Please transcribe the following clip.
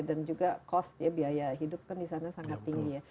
dan juga biaya hidup kan di sana sangat tinggi ya